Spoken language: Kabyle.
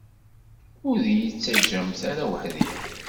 Ur d-iyi-ttaǧǧamt ara weḥd-i.